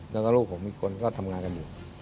แล้วก็ลูกผมอีกคนก็ทำงานกันอยู่